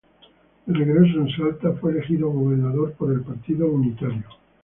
De regreso en Salta fue elegido gobernador por el partido unitario.